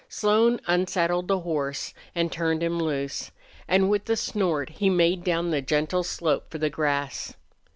Slone unsaddled the horse and turned him loose, and with a snort he made down the gentle slope for the grass.